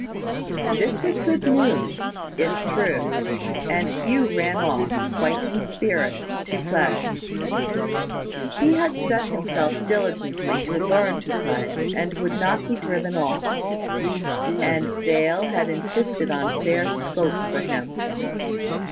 This was good news, if true: and Hugh ran off, quite in spirits, to play. He had set himself diligently to learn to play, and would not be driven off; and Dale had insisted on fair scope for him.